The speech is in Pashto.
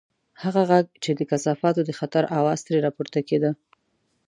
هغه غږ چې د کثافاتو د خطر اواز ترې راپورته کېده.